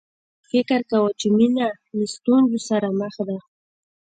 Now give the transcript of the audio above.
هغه فکر کاوه چې مینه له ستونزو سره مخ ده